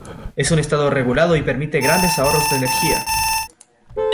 Es un estado regulado y permite grandes ahorros de energía.